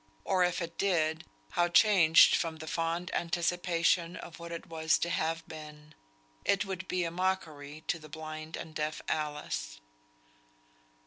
Or if it did, how changed from the fond anticipation of what it was to have been! It would be a mockery to the blind and deaf Alice.